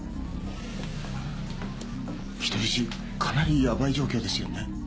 人質かなりやばい状況ですよね？